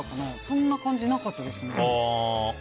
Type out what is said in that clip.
そんな感じなかったですね。